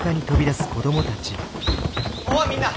おみんな！